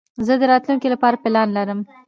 زه د راتلونکي له پاره پلان لرم.